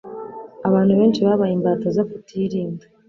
Abantu benshi babaye imbata zo kutirinda